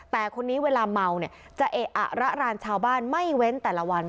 แต่คนนี้เวลาเมาเนี่ยจะเอะอะระรานชาวบ้านไม่เว้นแต่ละวัน